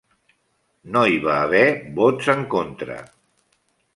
No hi va haver vots en contra.